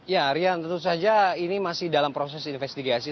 ya rian tentu saja ini masih dalam proses investigasi